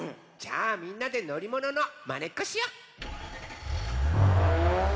じゃあみんなでのりもののまねっこしよう。